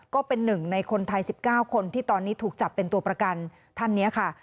ก็เป็นหนึ่งในคนไทย๑๙คนที่ตอนนี้ถูกจับเป็นตัวประกันท่านนี้ค่ะ